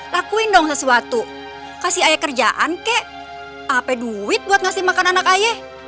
lakuin dong sesuatu kasih ayah kerjaan kek apa duit buat ngasih makan anak ayah